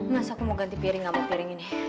mas aku mau ganti piring gak mau piring ini